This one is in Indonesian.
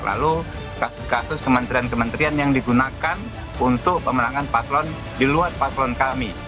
lalu kasus kasus kementerian kementerian yang digunakan untuk pemenangan paslon di luar paslon kami